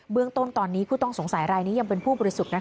เรื่องต้นตอนนี้ผู้ต้องสงสัยรายนี้ยังเป็นผู้บริสุทธิ์